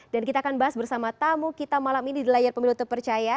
dan kita akan bahas bersama tamu kita malam ini di layar pemilu terpercaya